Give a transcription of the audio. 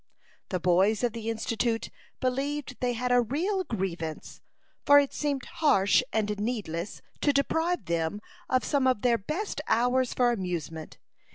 The boys of the Institute believed they had a real grievance, for it seemed harsh and needless to deprive them of some of their best hours for amusement.